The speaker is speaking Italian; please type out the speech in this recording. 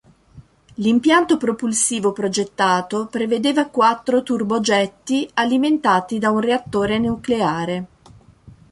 L'impianto propulsivo progettato prevedeva quattro turbogetti alimentati da un reattore nucleare.